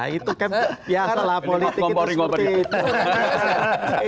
itu kan biasa lah politik itu seperti itu